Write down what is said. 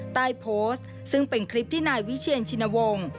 ใต้โพสต์ซึ่งเป็นคลิปที่นายวิเชียนชินวงศ์